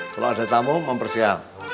kalau ada tamu mempersiap